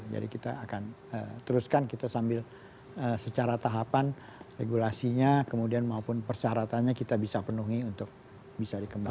jadi kita akan teruskan kita sambil secara tahapan regulasinya kemudian maupun persyaratannya kita bisa penuhi untuk bisa dikembangkan